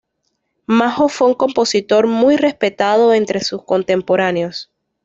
Majo fue un compositor muy respetado entre sus contemporáneos.